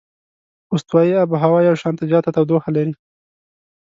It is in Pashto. استوایي آب هوا یو شانته زیاته تودوخه لري.